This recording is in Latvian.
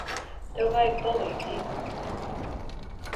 Tev vajag palīdzību.